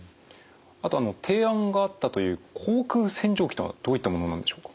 あとあの提案があったという口腔洗浄機とはどういったものなんでしょうか？